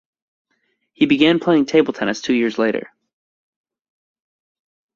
He began playing table tennis two years later.